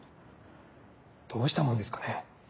どうしたもんですかね。